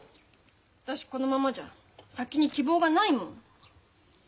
私このままじゃ先に希望がないもん。